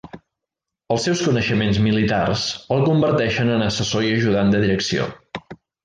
Els seus coneixements militars el converteixen en assessor i ajudant de direcció.